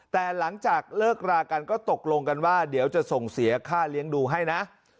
แต่หลังจากเลิกรากันก็ตกลงกันว่าเดี๋ยวจะส่งเสียค่าเลี้ยงดูให้นะ